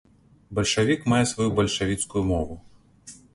Бальшавік мае сваю бальшавіцкую мову.